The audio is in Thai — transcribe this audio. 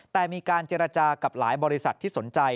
แต่มีการเจรจากับหลายบริษัทที่สนใจ